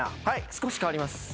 少し変わります。